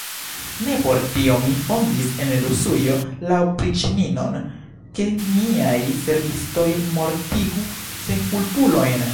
Ne por tio mi fondis en Rusujo la opriĉninon, ke miaj servistoj mortigu senkulpulojn.